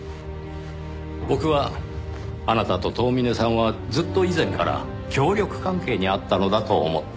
僕はあなたと遠峰さんはずっと以前から協力関係にあったのだと思っています。